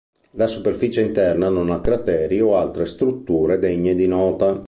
La superficie interna non ha crateri o altre strutture degne di nota.